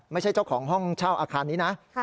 เจ้าของห้องเช่าอาคารนี้นะ